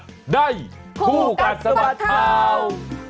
ในคู่กันสวัสดิ์ทาวน์